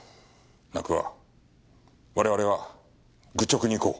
なあ久和我々は愚直にいこう。